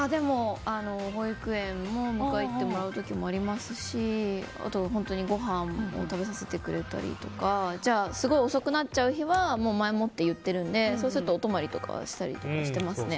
保育園も迎え行ってもらう時もありますしあとはごはんを食べさせてくれたりとかすごい遅くなっちゃう日は前もって言ってるのでそうするとお泊まりとかしたりしていますね。